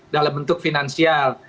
dalam bentuk finansial